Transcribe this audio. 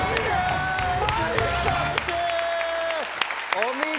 お見事！